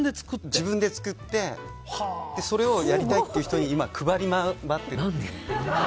自分で作ってそれをやりたいっていう人に今、配り回ってるんです。